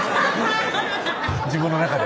自分の中で？